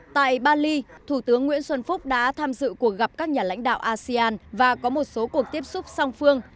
tại bali thủ tướng nguyễn xuân phúc đã tham dự cuộc gặp các nhà lãnh đạo asean và có một số cuộc tiếp xúc song phương